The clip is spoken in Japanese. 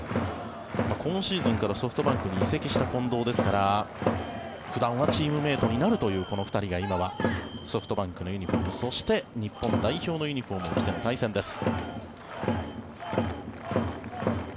このシーズンからソフトバンクに移籍した近藤ですから普段はチームメートになるというこの２人が今はソフトバンクのユニホームそして日本代表のユニホームを着ての対戦です。